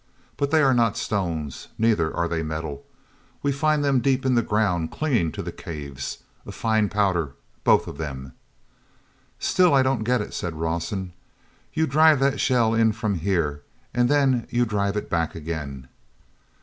But they are not stones, neither are they metal. We find them deep in the ground, clinging to the caves. A fine powder, both of them." "Still I don't get it," said Rawson. "You drive that shell in from here, and then you drive it back again."